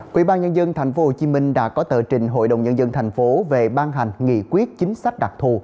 quỹ ban nhân dân tp hcm đã có tờ trình hội đồng nhân dân tp về ban hành nghị quyết chính sách đặc thù